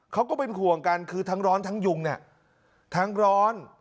เขาก็เป็นห่วงกันคือทั้งร้อนทั้งยุงเนี่ยทั้งร้อน